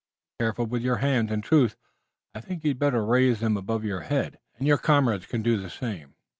Be careful with your hands. In truth, I think you'd better raise them above your head, and your comrades can do the same.